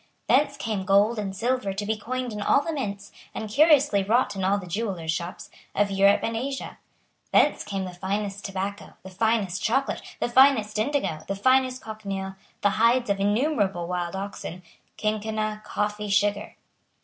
Thence came gold and silver to be coined in all the mints, and curiously wrought in all the jewellers' shops, of Europe and Asia. Thence came the finest tobacco, the finest chocolate, the finest indigo, the finest cochineal, the hides of innumerable wild oxen, quinquina, coffee, sugar.